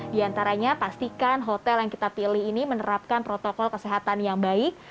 di antaranya pastikan hotel yang kita pilih ini menerapkan protokol kesehatan yang baik